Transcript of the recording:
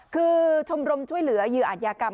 คือชมรมช่วยเหลือเหยื่ออาจยากรรม